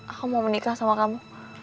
aku mau menikah sama kamu